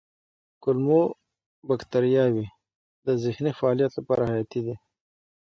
کولمو بکتریاوې د ذهني فعالیت لپاره حیاتي دي.